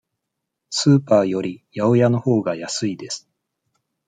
スーパーより八百屋のほうが安いです。